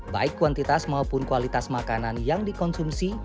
baik kuantitas maupun kualitas makanan yang dikonsumsi